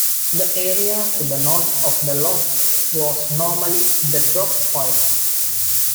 The area to the North of the loch was normally the drop point.